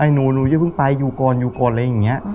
หนูหนูอย่าเพิ่งไปอยู่ก่อนอยู่ก่อนอะไรอย่างนี้